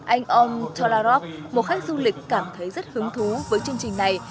anh om tolarok một khách du lịch cảm thấy rất hứng thú với chương trình này